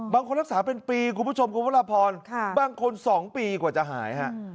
บางคนรักษาเป็นปีคุณผู้ชมคุณพระราพรบางคน๒ปีกว่าจะหายฮะ